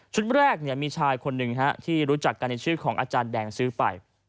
ชุดแรกเนี้ยมีชายคนหนึ่งฮะที่รู้จักการชื่อของอาจารย์แดงซื้อไป